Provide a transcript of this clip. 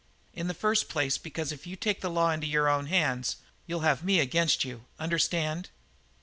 In the first place because if you take the law into your own hands you'll have me against you understand?"